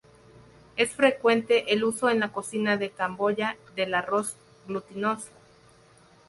Es frecuente el uso en la cocina de Camboya del arroz glutinoso.